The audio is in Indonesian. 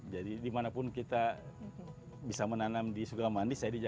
jadi dimanapun kita bisa menanam di sukamandi saya di jakarta dengan mindset ini itu bisa